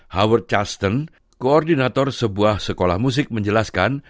howard chaston koordinator sebuah sekolah musik menjelaskan